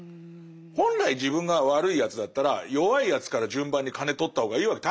本来自分が悪いやつだったら弱いやつから順番に金とった方がいいわけ。